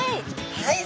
はい。